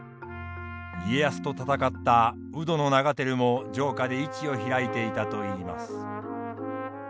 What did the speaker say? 家康と戦った鵜殿長照も城下で市を開いていたといいます。